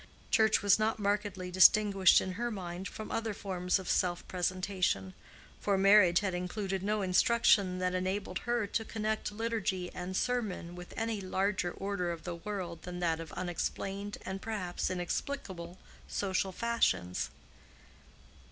Church was not markedly distinguished in her mind from the other forms of self presentation, for marriage had included no instruction that enabled her to connect liturgy and sermon with any larger order of the world than that of unexplained and perhaps inexplicable social fashions.